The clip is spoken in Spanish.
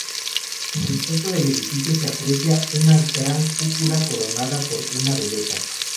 En el centro del edificio se aprecia una gran cúpula coronada por una veleta.